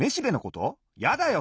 やだよ